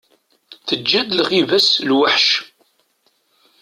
Teǧǧa-d lɣiba-s lweḥc.